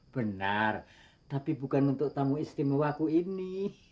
benar tapi bukan untuk tamu istimewaku ini